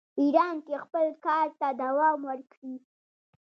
ایران کې خپل کار ته دوام ورکړي.